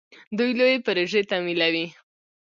دوی لویې پروژې تمویلوي.